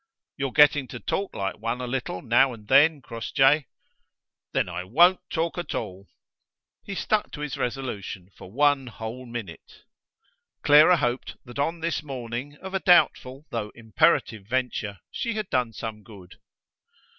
"You're getting to talk like one a little now and then, Crossjay." "Then I won't talk at all." He stuck to his resolution for one whole minute. Clara hoped that on this morning of a doubtful though imperative venture she had done some good.